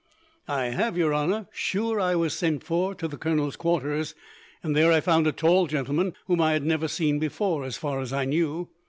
"I have, your honour. Sure, I was sent for to the colonel's quarters, and there I found a tall gentleman, whom I had never seen before, as far as I knew.